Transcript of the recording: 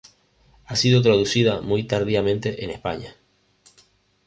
Ha sido traducida muy tardíamente en España